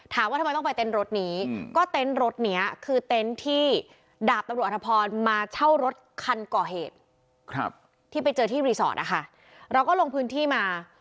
ดาบตำรวจอธพรมาเช่ารถคันก่อเหตุครับที่ไปเจอที่รีสอร์ตนะคะเราก็ลงพื้นที่มา